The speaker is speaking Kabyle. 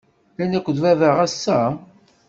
Llan akked baba ass-a?